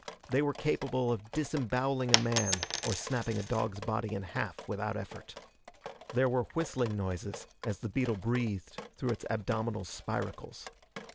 They were capable of disemboweling a man or snapping a dog's body in half without effort. There were whistling noises as the beetle breathed through its abdominal spiracles.